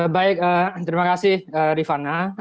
baik terima kasih rifana